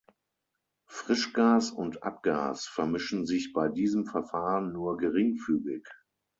Frischgas und Abgas vermischen sich bei diesem Verfahren nur geringfügig.